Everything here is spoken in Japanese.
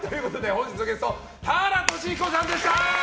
本日のゲスト田原俊彦さんでした！